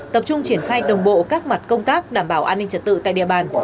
tập trung triển khai đồng bộ các mặt công tác đảm bảo an ninh trật tự tại địa bàn